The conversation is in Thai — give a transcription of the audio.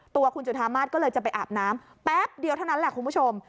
ตัวคุณจุธามาศก็เลยจะไปอาบน้ำแป๊บเดียวเท่านั้นแหละคุณผู้ชม